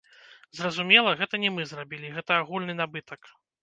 Зразумела, гэта не мы зрабілі, гэта агульны набытак.